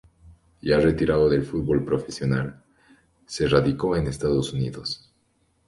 Ya retirado del fútbol profesional, se radicó en Estados Unidos.